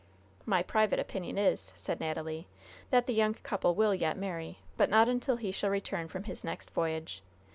"My private opinion is," said Natalie, "that the young couple will yet marry; but not until he shall return from his next voyage.